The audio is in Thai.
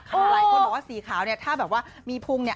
หลายคนบอกว่าสีขาวเนี่ยถ้าแบบว่ามีพุงเนี่ย